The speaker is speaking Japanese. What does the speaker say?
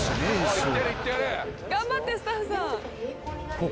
頑張ってスタッフさん。